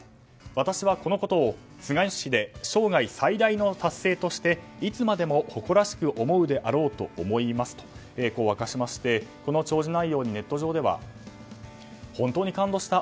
私はこのことを菅義偉、生涯最大の達成としていつまでも誇らしく思うであろうと思いますとこう明かしましてこの弔辞内容にネット上では本当に感動した